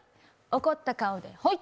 怒った顔でホイ！